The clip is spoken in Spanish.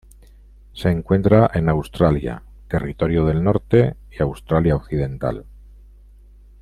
Se encuentra en Australia: Territorio del Norte y Australia Occidental.